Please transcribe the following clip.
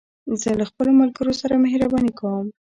زه له خپلو ملګرو سره مهربانې کوم.